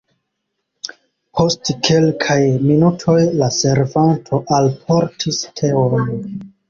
Post kelkaj minutoj la servanto alportis teon.